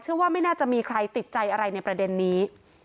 ว่าไม่น่าจะมีใครติดใจอะไรในประเด็นนี้